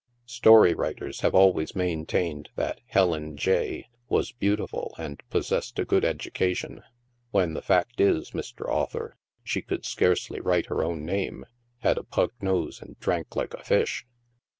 Story writers have always maintained that Helen J—— was beau tiful and possessed a good education, when the fact is, Mr. Author, she could scarcely write her own name, had a pug nose, and drank like a fish.